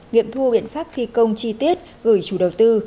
nghiệm thu biện pháp thi công chi tiết gửi chủ đầu tư